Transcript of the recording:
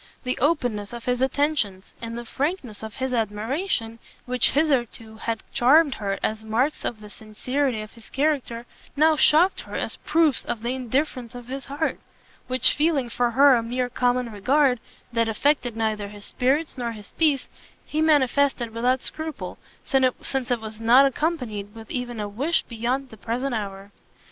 The openness of his attentions, and the frankness of his admiration, which hitherto had charmed her as marks of the sincerity of his character, now shocked her as proofs of the indifference of his heart, which feeling for her a mere common regard, that affected neither his spirits nor his peace, he manifested without scruple, since it was not accompanied with even a wish beyond the present hour.